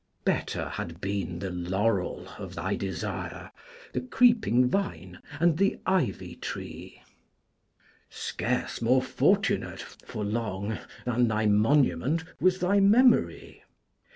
Better had been the laurel of thy desire, the creeping vine, and the ivy tree. Scarce more fortunate, for long, than thy monument was thy memory.